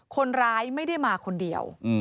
คนร้ายไม่ได้มาคนเดียว